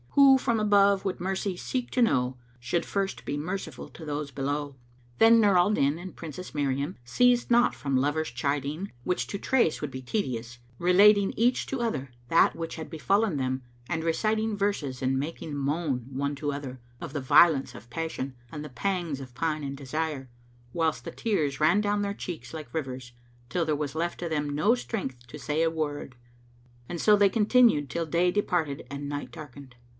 Who from above would mercy seek to know, Should first be merciful to those below." Then Nur al Din and Princess Miriam ceased not from lovers' chiding which to trace would be tedious, relating each to other that which had befallen them and reciting verses and making moan, one to other, of the violence of passion and the pangs of pine and desire, whilst the tears ran down their cheeks like rivers, till there was left them no strength to say a word and so they continued till day deprated and night darkened.